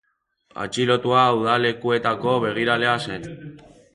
Atxilotua udalekuetako begiralea zen.